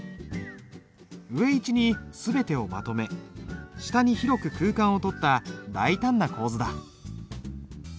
上位置に全てをまとめ下に広く空間を取った大胆な構図だ。